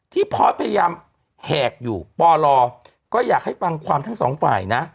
พอร์ตพยายามแหกอยู่ปลก็อยากให้ฟังความทั้งสองฝ่ายนะ